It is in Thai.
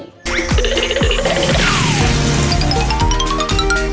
เท่าที่ทุกคนได้สมัย